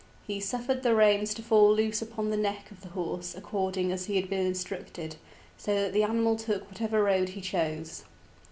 He suffered the reins to fall loose upon the neck of the horse according as he had been instructed, so that the animal took whatever road he chose.